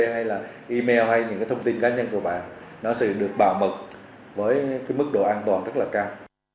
hay là email hay những cái thông tin cá nhân của bạn nó sẽ được bảo mật với cái mức độ an toàn rất là cao